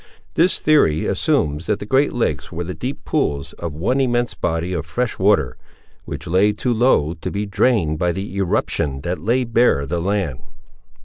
This theory assumes that the Great Lakes were the deep pools of one immense body of fresh water, which lay too low to be drained by the irruption that laid bare the land.